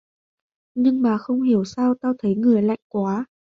Nhưng mà không hiểu sao tao thấy người lạnh quá